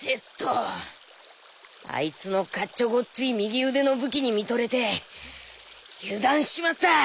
あいつのかっちょごっつい右腕の武器に見とれて油断しちまった。